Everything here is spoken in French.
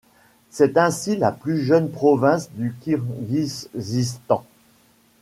C'est ainsi la plus jeune province du Kirghizistan.